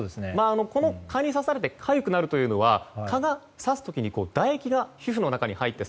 蚊に刺されてかゆくなるというのは蚊が刺す時に唾液が皮膚の中に入って